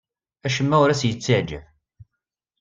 Acemma ur as-yettaɛjab.